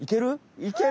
いける？